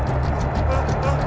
gitu harus tolong aku